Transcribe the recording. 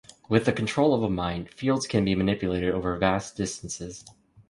With the control of a Mind, fields can be manipulated over vast distances.